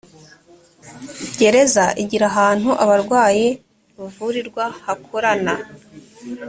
gereza igira ahantu abarwayi bavurirwa hakorana